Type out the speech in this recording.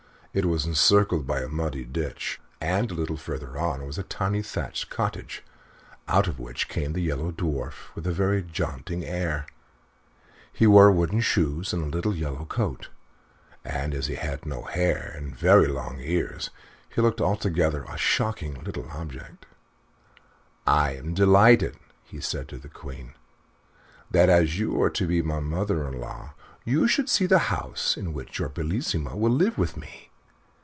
It was encircled by a muddy ditch, and a little further on was a tiny thatched cottage, out of which came the Yellow Dwarf with a very jaunty air. He wore wooden shoes and a little yellow coat, and as he had no hair and very long ears he looked altogether a shocking little object. "I am delighted," said he to the Queen, "that, as you are to be my mother in law, you should see the little house in which your Bellissima will live with me.